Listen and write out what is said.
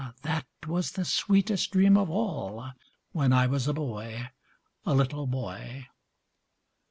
that was the sweetest dream of all, When I was a boy, a little boy!